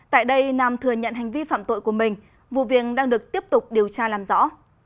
tại đây nam thừa nhận hành vi phạm tội của mình vụ viện đang được tiếp tục điều tra làm rõ